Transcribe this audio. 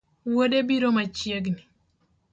Wuode biro machiegni